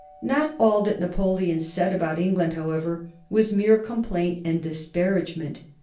Not all that Napoleon said about England, however, was mere complaint and disparagement.